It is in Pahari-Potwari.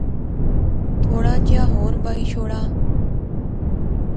تھوڑا جیہا ہور بائی شوڑا